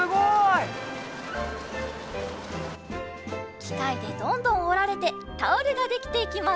きかいでどんどんおられてタオルができていきます。